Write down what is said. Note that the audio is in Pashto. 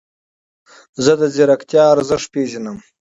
زه د ځیرکتیا ارزښت پیژنم.